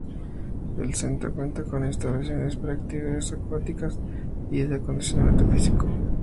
El centro cuenta con instalaciones para actividades acuáticas y de acondicionamiento físico.